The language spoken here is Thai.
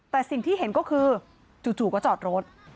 แต่สิ่งที่เห็นก็คือจู่ก็จอดรถ